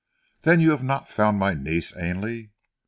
"Then you have not found my niece, Ainley?"